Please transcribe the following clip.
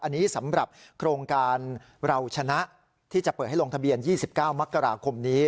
อันนี้สำหรับโครงการเราชนะที่จะเปิดให้ลงทะเบียน๒๙มกราคมนี้